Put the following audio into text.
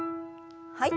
はい。